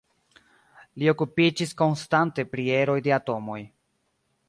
Li okupiĝis konstante pri eroj de atomoj.